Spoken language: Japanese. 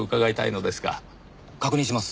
確認します。